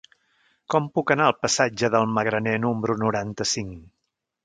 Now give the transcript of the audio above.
Com puc anar al passatge del Magraner número noranta-cinc?